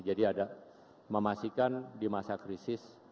jadi ada memastikan di masa krisis